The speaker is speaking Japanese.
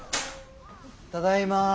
ただいま。